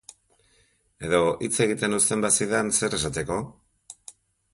Edo, hitz egiten uzten bazidan, zer esateko?